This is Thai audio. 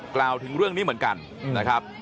กล่าวถึงเรื่องนี้เหมือนกันนะครับ